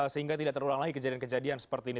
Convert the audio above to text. sehingga tidak terulang lagi kejadian kejadian seperti ini